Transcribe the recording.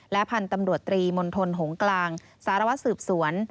พันธุ์ตำรวจตรีมณฑลหงกลางสารวัตรสืบสวน